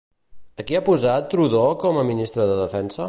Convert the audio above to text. A qui ha posat Trudeau com a ministre de Defensa?